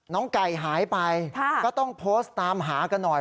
ไก่หายไปก็ต้องโพสต์ตามหากันหน่อย